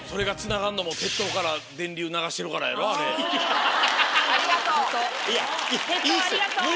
鉄塔ありがとう。